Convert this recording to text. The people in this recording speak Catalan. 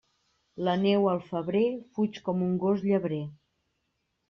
La neu al febrer fuig com un gos llebrer.